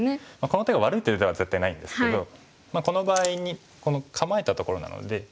この手が悪いということは絶対ないんですけどこの場合に構えたところなので。